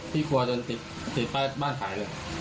กลัวจนติดป้ายบ้านหายเลย